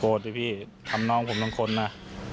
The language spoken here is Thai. โกรธดิพี่ทำน้องผมต้องค้นนะ